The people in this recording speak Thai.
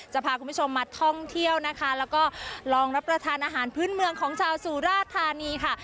จะพาคุณผู้ชมมาท่องเที่ยวนะคะแล้วก็ลองรับประทานอาหารพื้นเมืองของชาวสุราธานีค่ะ